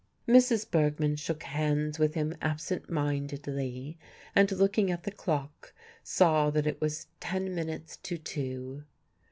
Mrs. Bergmann shook hands with him absent mindedly, and, looking at the clock, saw that it was ten minutes to two.